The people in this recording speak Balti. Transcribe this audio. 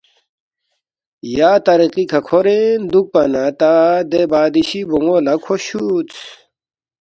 یا طریقی کھہ کھورین دُوکپا نہ تا دے بادشی بون٘و لہ کھو چھُودس